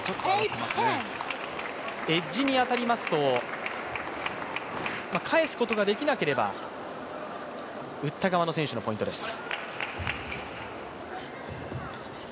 エッジに当たりますと、返すことができなければ打った側の選手のポイントです。